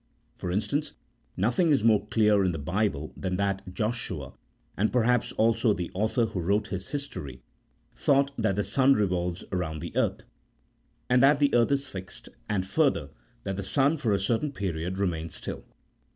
For instance, nothing is more clear in the Bible than that Joshua, and perhaps also the author who wrote his history, thought that the sun revolves round the earth, and that the earth is fixed, and further that the sun for a certain period remained still.